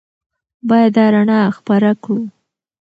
باید دا رڼا خپره کړو.